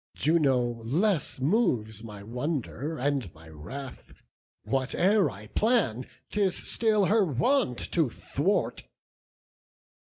Juno less moves my wonder and my wrath; Whate'er I plan, 'tis still her wont to thwart."